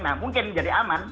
nah mungkin jadi aman